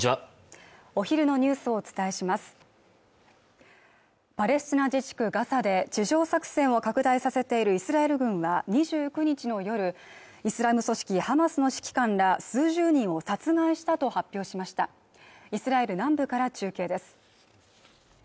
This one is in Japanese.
お昼のニュースをお伝えしますパレスチナ自治区ガザで地上作戦を拡大させているイスラエル軍は２９日の夜イスラム組織ハマスの指揮官ら数十人を殺害したと発表しましたイスラエル南部から中継です